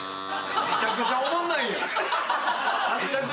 めちゃくちゃおもんないやん。